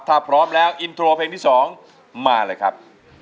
ถ้าพร้อมแล้วอินโทรเพลงที่๒มาเลยครับ